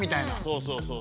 そうそうそう。